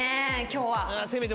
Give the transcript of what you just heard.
今日は。